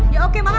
ya oke mama kesana